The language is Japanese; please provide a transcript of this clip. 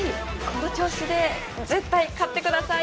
この調子で絶対勝ってください。